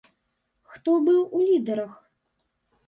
Хто быў ў лідарах?